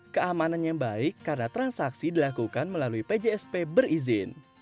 keamanan yang baik karena transaksi dilakukan melalui pjsp berizin